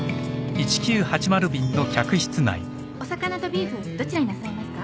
お魚とビーフどちらになさいますか？